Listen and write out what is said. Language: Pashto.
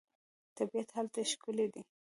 طبیعت هلته ښکلی دی.